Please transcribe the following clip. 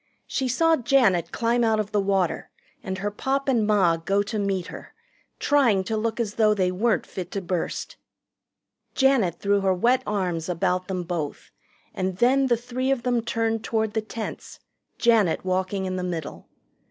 She saw Janet climb out of the water and her Pop and Ma go to meet her, trying to look as though they weren't fit to burst. Janet threw her wet arms about them both, and then the three of them turned toward the tents, Janet walking in the middle.